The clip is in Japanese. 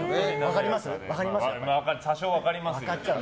多少分かりますよ。